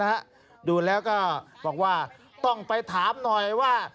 ดูแล้วก็บอกว่าต้องไปถามหน่อยว่า